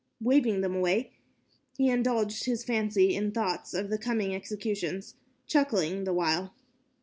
Waving them away, he indulged his fancy in thoughts of the coming executions, chuckling the while.